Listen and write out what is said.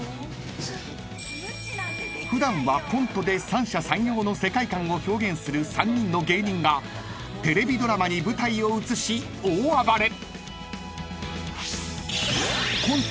［普段はコントで三者三様の世界観を表現する３人の芸人がテレビドラマに舞台を移し大暴れ！］